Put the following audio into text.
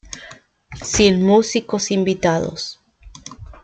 Sin músicos invitados.